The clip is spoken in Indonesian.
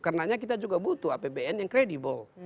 karena kita juga butuh apbn yang credible